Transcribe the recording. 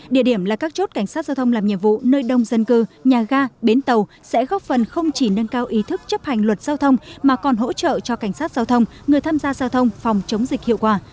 địa điểm là các chốt cảnh sát giao thông làm nhiệm vụ nơi đông dân cư nhà ga bến tàu sẽ góp phần không chỉ nâng cao ý thức chấp hành luật giao thông mà còn hỗ trợ cho cảnh sát giao thông người tham gia giao thông phòng chống dịch hiệu quả